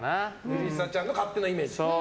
莉里沙ちゃんの勝手なイメージ。